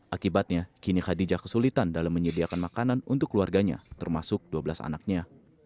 akibatnya kini khadijah kesulitan dalam menyediakan makanan untuk keluarganya termasuk dua belas anaknya